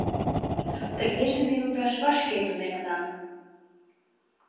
Тыгеже ме лудаш вашке тунемына.